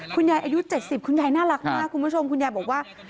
อายุ๗๐คุณยายน่ารักมากคุณผู้ชมคุณยายบอกว่า